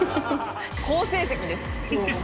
好成績です。